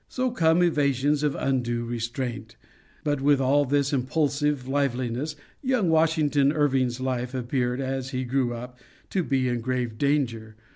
So come evasions of undue restraint. But with all this impulsive liveliness, young Washington Irving's life appeared, as he grew up, to be in grave danger.